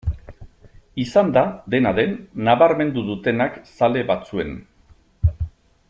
Izan da, dena den, nabarmendu dutenak zale batzuen.